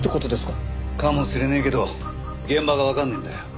かもしれねえけど現場がわかんねえんだよ。